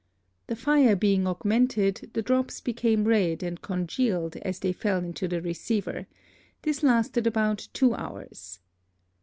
The Fire being augmented, the Drops became red, and congealed as they fell into the Receiver; this lasted about two Hours.